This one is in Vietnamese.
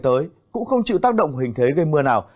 tới cũng không chịu tác động hình thế gây mưa nào